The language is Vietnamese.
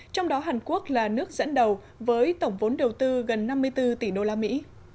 trong đó hàn quốc là nước dẫn đầu với tổng vốn đầu tư gần năm mươi bốn tỷ đô la mỹ